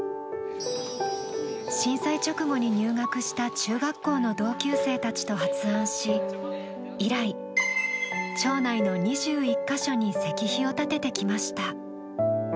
震災直後に入学した中学校の同級生たちと発案し以来、町内の２１か所に石碑を立ててきました。